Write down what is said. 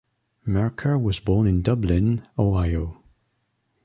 Mercker was born in Dublin, Ohio.